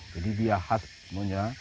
jadi dia khas semuanya